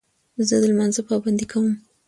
زه د لمانځه پابندي کوم.